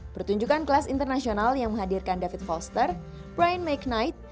pertunjukan kelas internasional yang menghadirkan david foster brian mcknight